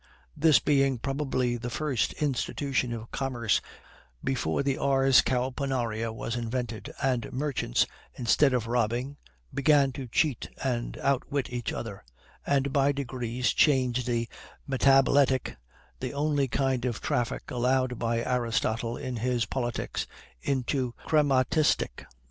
This being probably the first institution of commerce before the Ars Cauponaria was invented, and merchants, instead of robbing, began to cheat and outwit each other, and by degrees changed the Metabletic, the only kind of traffic allowed by Aristotle in his Politics, into the Chrematistic.